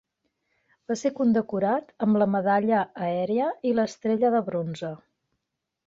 Va ser condecorat amb la Medalla Aèria i l'Estrella de Bronze.